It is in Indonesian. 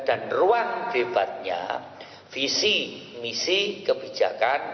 dan ruang debatnya visi misi kebijakan